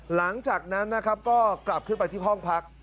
หลังจากนั้นนะครับก็กลับขึ้นไปที่ห้องพัก